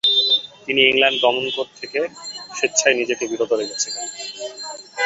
তিনি ইংল্যান্ড গমন থেকে স্বেচ্ছায় নিজেকে বিরত রেখেছিলেন।